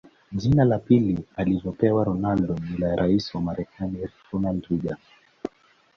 Jina la pili alilopewa Ronaldo ni la rais wa Marekani Ronald Reagan